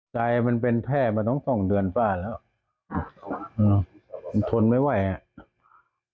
ใจมันเป็นแพ่มาตั้ง๒เดือนฝ้าแล้วทนไม่ไหวอ่ะ